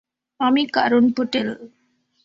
আমি কারুন পাটেল।